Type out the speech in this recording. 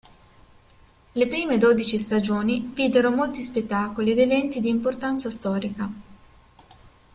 Le prime dodici stagioni videro molti spettacoli ed eventi di importanza storica.